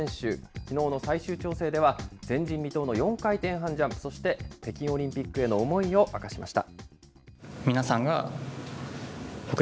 きのうの最終調整では、前人未到の４回転半ジャンプ、そして、北京オリンピックへの思いを明かしました。